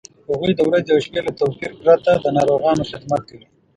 هغوی د ورځې او شپې له توپیره پرته د ناروغانو خدمت کوي.